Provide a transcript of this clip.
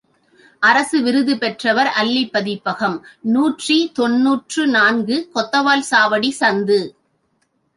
அரசு விருது பெற்றவர் அல்லிப் பதிப்பகம் நூற்றி தொன்னூற்று நான்கு, கொத்தவால்சாவடிச் சந்து.